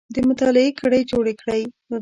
د مطالعې کړۍ جوړې کړئ